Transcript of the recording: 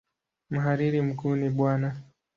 Mhariri mkuu ni Bw.